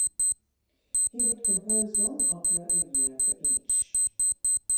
He would compose one opera a year for each.